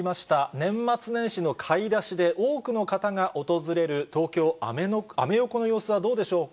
年末年始の買い出しで、多くの方が訪れる東京・アメ横の様子はどうでしょうか。